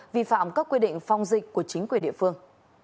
vi phạm các quy định phong dịch của chính quyền địa phương